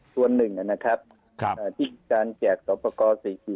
ส่วนหนึ่งนะครับที่การแจกสอบประกอบ๔๔